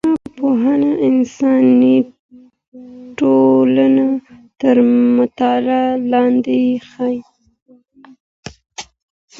ټولنپوهنه انساني ټولنه تر مطالعې لاندي نيسي.